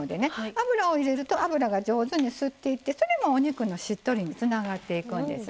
油を入れると油が上手に吸っていってそれもお肉のしっとりにつながっていくんですね。